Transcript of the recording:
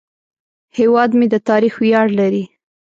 هیواد مې د تاریخ ویاړ لري